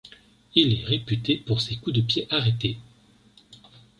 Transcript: Il est réputé pour ses coups de pieds arrêtés.